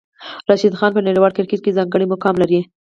راشد خان په نړیوال کرکټ کې ځانګړی مقام لري.